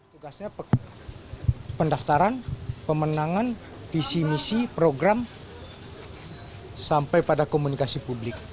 tugasnya pendaftaran pemenangan visi misi program sampai pada komunikasi publik